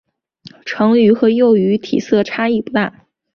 成鱼与幼鱼体色差异不大。